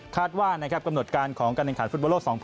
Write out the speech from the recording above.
คาดว่านะครับกำหนดการของกำหนดการฟุตบอล๒๐๒๒